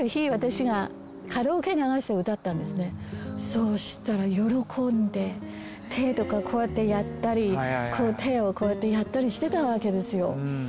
そしたら喜んで手とかこうやってやったり手をこうやってやったりしてたわけですよ。